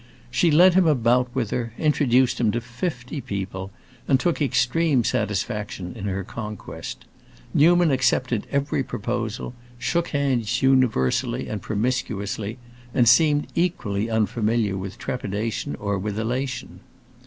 She led him about with her, introduced him to fifty people, and took extreme satisfaction in her conquest. Newman accepted every proposal, shook hands universally and promiscuously, and seemed equally unfamiliar with trepidation or with elation.